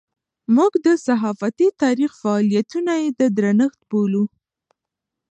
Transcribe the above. موږ د صحافتي تاریخ فعالیتونه یې د درنښت بولو.